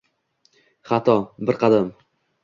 Хато – бир қадам.